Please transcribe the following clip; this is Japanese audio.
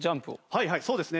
はいはいそうですね。